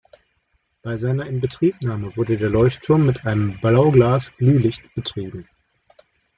Bei seiner Inbetriebnahme wurde der Leuchtturm mit einem Blaugas-Glühlicht betrieben.